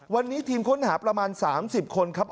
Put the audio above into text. วันนี้ทีมค้นหาประมาณ๓๐คนครับ